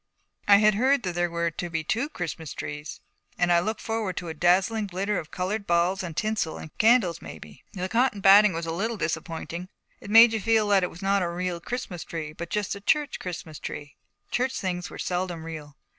I had heard that there were to be two Christmas trees, and I had looked forward to a dazzling glitter of colored balls and tinsel and candles, maybe. The cotton batting was a little disappointing. It made you feel that it was not a real Christmas tree, but just a church Christmas tree. Church things were seldom real.